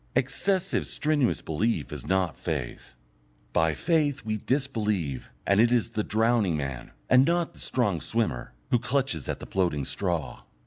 Excessive strenuous belief is not faith. By faith we disbelieve, and it is the drowning man, and not the strong swimmer, who clutches at the floating straw.